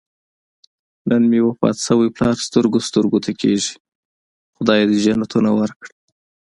نن مې وفات شوی پلار سترګو سترګو ته کېږي. خدای دې جنتونه ورکړي.